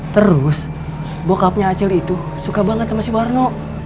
terus bokapnya acel itu suka banget sama si warno